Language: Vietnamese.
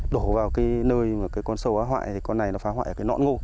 đổ vào cái nơi mà cái con sâu áo hoại thì con này nó phá hoại cái ngọn ngô